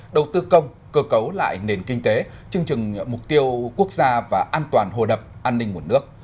đầu tư công cơ cấu lại nền kinh tế chương trình mục tiêu quốc gia và an toàn hồ đập an ninh nguồn nước